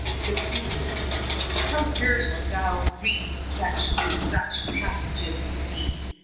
The priest came. " How durst thou read such and such passages to me